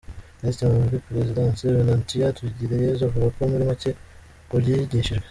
Minisitiri muri Perezidanse, Venantia Tugireyezu, avuga muri make ku byigishijwe.